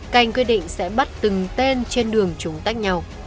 canh quyết định sẽ bắt từng tên trên đường chúng tách nhau